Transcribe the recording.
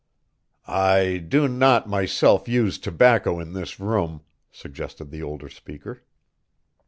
"I do not myself use tobacco in this room," suggested the older speaker.